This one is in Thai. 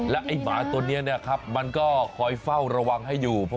ไอ้หมาตัวนี้นะครับมันก็คอยเฝ้าระวังให้อยู่